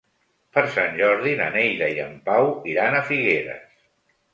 Per Sant Jordi na Neida i en Pau iran a Figueres.